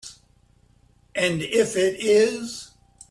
And if it is?